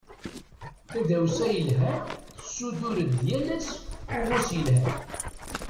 Tadawsa yelhan tessutur-d yal ass uɣus yelhan.